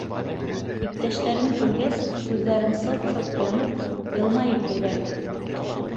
Иптәштәрен күргәс, күҙҙәрен сылт-сылт йомоп, йылмайып ебәрҙе.